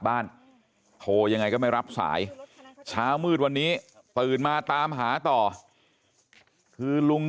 บ้านโทรยังไงก็ไม่รับสายเช้ามืดวันนี้ตื่นมาตามหาต่อคือลุง